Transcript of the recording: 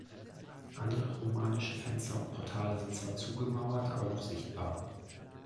Andere romanische Fenster und Portale sind zwar zugemauert aber noch sichtbar.